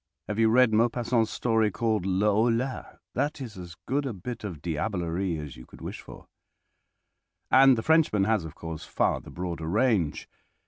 Have you read Maupassant's story called "Le Horla"? That is as good a bit of diablerie as you could wish for. And the Frenchman has, of course, far the broader range.